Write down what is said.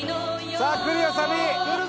さあくるよサビ！